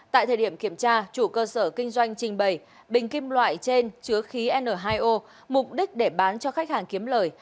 tại thời điểm kiểm tra chủ cơ sở kinh doanh trình bày bình kim loại trên chứa khí n hai o mục đích để bán cho khách hàng kiếm lời